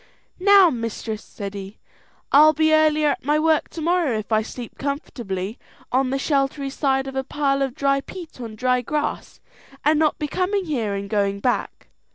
"Now, mistress," said he, "I'll be earlier at my work to morrow if I sleep comfortably on the sheltery side of a pile of dry peat on dry grass, and not be coming here and going back.